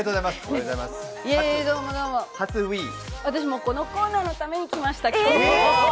私、このコーナーのために今日、来ました。